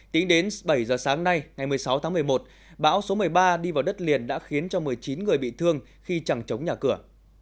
tính đến bảy giờ sáng nay ngày một mươi sáu tháng một mươi một bão số một mươi ba đi vào đất liền đã khiến cho một mươi chín người bị thương khi chẳng chống nhà cửa